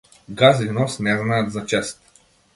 Газ и нос не знаат за чест.